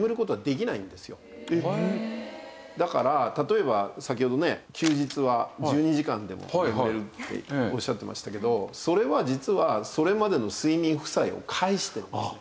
だから例えば先ほどね休日は１２時間でも眠れるっておっしゃってましたけどそれは実はそれまでの睡眠負債を返してるんですね。